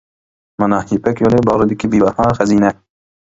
مانا، يىپەك يولى باغرىدىكى بىباھا خەزىنە!